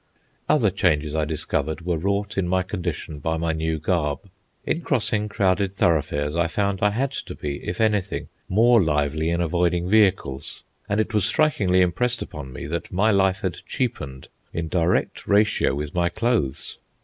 Other changes I discovered were wrought in my condition by my new garb. In crossing crowded thoroughfares I found I had to be, if anything, more lively in avoiding vehicles, and it was strikingly impressed upon me that my life had cheapened in direct ratio with my clothes.